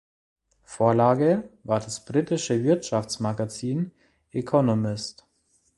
Vorlage war das britische Wirtschaftsmagazin "Economist".